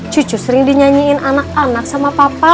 cucu sering dinyanyiin anak anak sama papa